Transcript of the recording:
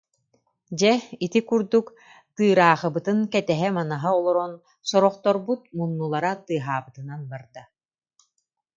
Дьэ, ити курдук тыыраахыбытын кэтэһэ-манаһа олорон, сорохторбут муннулара тыаһаабытынан барда